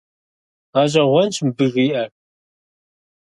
ГъэщӀэгъуэнщ мыбы жиӀэр!